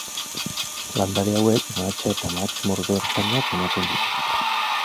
Landare hauek mahatsa eta mahats-mordo ertainak ematen dituzte.